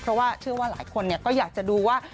เพราะว่าเชื่อว่าหลายคนก็อยากจะดูว่า